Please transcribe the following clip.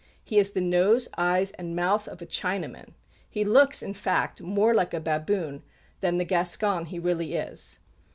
He has the nose, eyes, and mouth of a Chinaman; he looks, in fact, more like a baboon than the Gascon he really is.